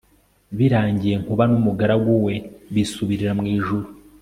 Birangiye Nkuba numugaragu we bisubirira mu ijuru